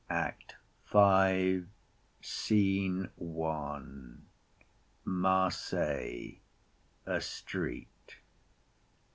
_] ACT V SCENE I. Marseilles. A street.